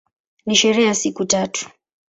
Ni sherehe ya siku tatu.